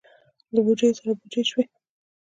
له بوجیو سره بوجۍ شوي دي.